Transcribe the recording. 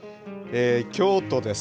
京都です。